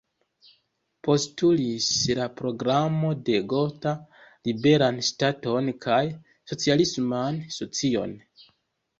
Postulis la Programo de Gotha "liberan ŝtaton" kaj "socialisman socion".